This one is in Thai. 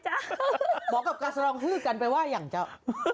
หมอกับกัจรลองหื้กันไปว่าอย่างเจ้า